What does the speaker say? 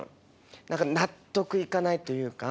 何か納得いかないというか。